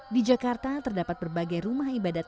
di jakarta terdapat berbagai rumah ibadah